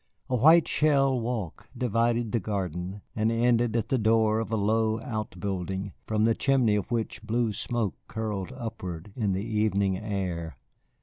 A white shell walk divided the garden and ended at the door of a low outbuilding, from the chimney of which blue smoke curled upward in the evening air.